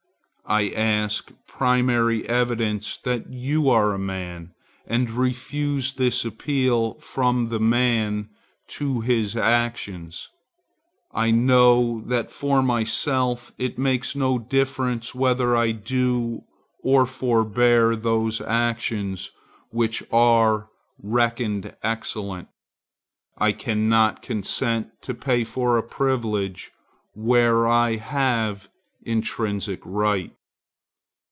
I ask primary evidence that you are a man, and refuse this appeal from the man to his actions. I know that for myself it makes no difference whether I do or forbear those actions which are reckoned excellent. I cannot consent to pay for a privilege where I have intrinsic right.